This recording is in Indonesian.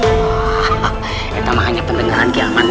hahaha itu mah hanya pendengaran ki aman umpunnya